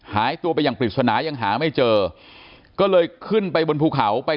หายตัวไปอย่างปริศนายังหาไม่เจอก็เลยขึ้นไปบนภูเขาไป